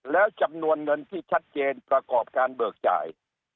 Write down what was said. แล้วจำนวนเงินที่ชัดเจนประกอบการเบิกจ่าย